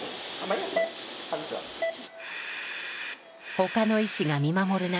他の医師が見守る中